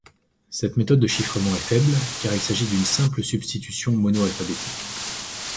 Cette méthode de chiffrement est faible car il s'agit d'une simple substitution monoalphabétique.